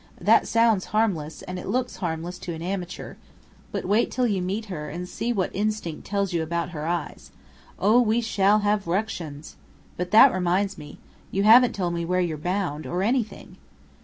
That sounds harmless, and it looks harmless to an amateur; but wait till you meet her and see what instinct tells you about her eyes. Oh, we shall have ructions! But that reminds me. You haven't told me where you're bound or anything."